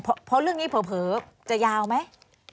เพราะเรื่องนี้เผลอจะยาวไหม